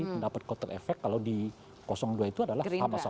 mendapat kotelefek kalau di dua itu adalah sama sama